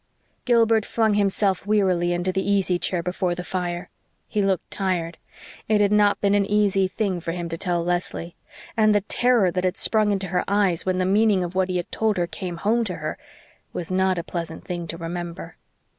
Gilbert flung himself wearily into the easy chair before the fire. He looked tired. It had not been an easy thing for him to tell Leslie. And the terror that had sprung into her eyes when the meaning of what he told her came home to her was not a pleasant thing to remember.